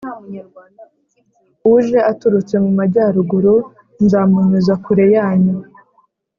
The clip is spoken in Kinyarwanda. Uje aturutse mu majyaruguru, nzamunyuza kure yanyu ;